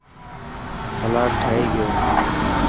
سلاد ٺهي گيو.